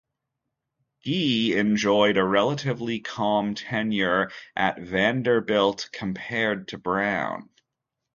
Gee enjoyed a relatively calm tenure at Vanderbilt compared to Brown.